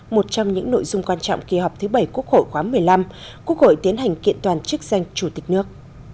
một trong những nội dung quan trọng kỳ họp thứ bảy quốc hội khóa một mươi năm quốc hội tiến hành kiện toàn chức danh chủ tịch nước